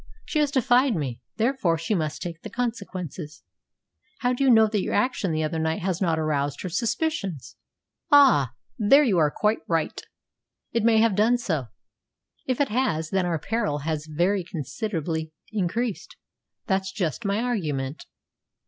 She has defied me; therefore she must take the consequences." "How do you know that your action the other night has not aroused her suspicions?" "Ah! there you are quite right. It may have done so. If it has, then our peril has very considerably increased. That's just my argument."